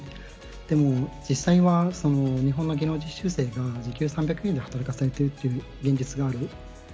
でも、実際は日本の技能実習生が時給３００円で働かされてるっていう現実がある。